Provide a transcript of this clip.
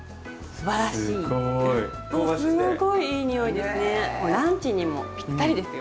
すごいいい匂いですね。